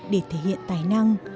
để thể hiện tài năng